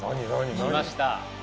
きました